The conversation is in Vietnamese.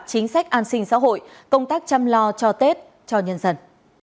chính sách an sinh xã hội công tác chăm lo cho tết cho nhân dân